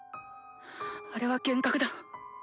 あれは幻覚だ。